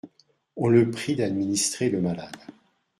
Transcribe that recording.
On le prie d'administrer le malade.